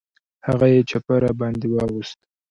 هغه یې چپه را باندې واغوست.